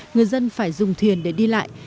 người dân phải dùng thuyền để đi lại